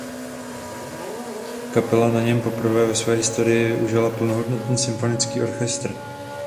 Kapela na něm poprvé ve své historii využila plnohodnotný symfonický orchestr.